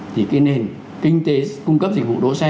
thì cái nền kinh tế cung cấp dịch vụ đỗ xe